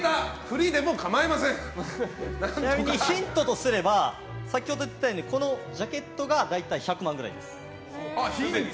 ちなみにヒントとすれば先ほど出たこのジャケットが大体１００万ぐらいです。